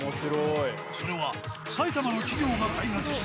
それは、埼玉の企業が開発した、